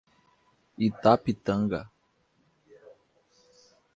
Itapitanga